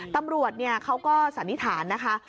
ตำรวจเขาก็สันนิษฐานนะคะ